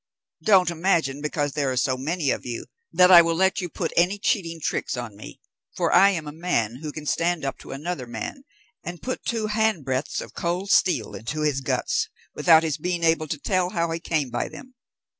Don't imagine because there are so many of you, that I will let you put any cheating tricks on me, for I am a man who can stand up to another man, and put two handbreadths of cold steel into his guts without his being able to tell how he came by them.